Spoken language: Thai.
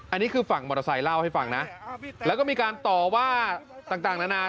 อันนี้คือฝั่งมอเตอร์ไซค์เล่าให้ฟังนะแล้วก็มีการต่อว่าต่างนานา